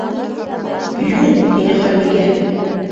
—Юҡ! —тине Ханбикә.